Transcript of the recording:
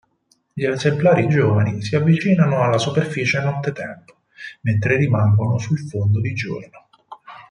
Gli esemplari giovani si avvicinano alla superficie nottetempo, mentre rimangono sul fondo di giorno.